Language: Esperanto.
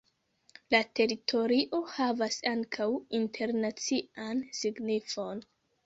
La teritorio havas ankaŭ internacian signifon.